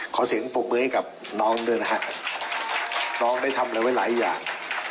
ขอเสียงปรบมือให้กับน้องด้วยนะฮะน้องได้ทำอะไรไว้หลายอย่าง